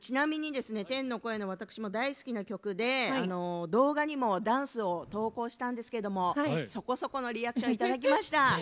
ちなみに天の声の私も大好きな曲で動画にもダンスを投稿したんですけどもそこそこのリアクションいただきました。